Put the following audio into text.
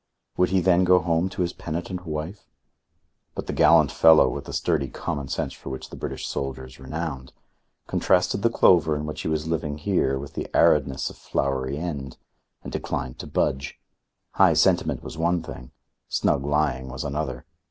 Would he then go home to his penitent wife? But the gallant fellow, with the sturdy common sense for which the British soldier is renowned, contrasted the clover in which he was living here with the aridness of Flowery End, and declined to budge. High sentiment was one thing, snug lying was another.